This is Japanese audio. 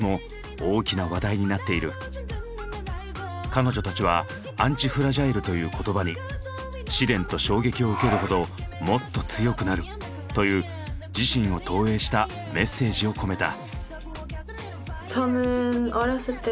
彼女たちは「ＡＮＴＩＦＲＡＧＩＬＥ」という言葉に「試練と衝撃を受けるほどもっと強くなる」という自身を投影したメッセージを込めた。